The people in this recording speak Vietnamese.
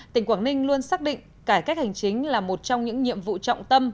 tỉnh quảng ninh luôn xác định cải cách hành chính là một trong những nhiệm vụ trọng tâm